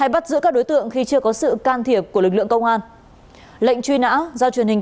bắt giữ các đối tượng khi chưa có sự can thiệp của lực lượng công an lệnh truy nã do truyền hình